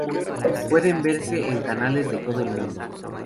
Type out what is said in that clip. Pueden verse en canales de todo el mundo.